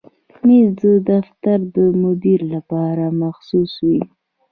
مېز د دفتر د مدیر لپاره مخصوص وي.